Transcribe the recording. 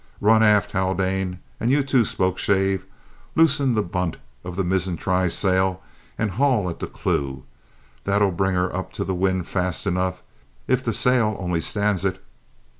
"Run aft, Haldane, and you too, Spokeshave. Loosen the bunt of the mizzen trysail and haul at the clew. That'll bring her up to the wind fast enough, if the sail only stands it!"